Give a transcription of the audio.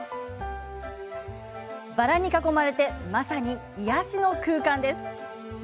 バラに囲まれてまさに癒やしの空間です。